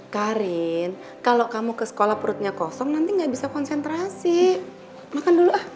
karin kalau kamu ke sekolah perutnya kosong nanti gak bisa konsentrasi makan dulu ah